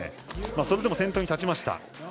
それでも先頭に立ちました。